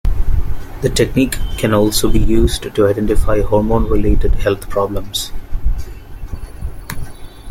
The technique can also be used to identify hormone-related health problems.